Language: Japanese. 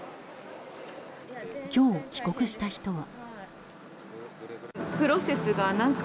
今日、帰国した人は。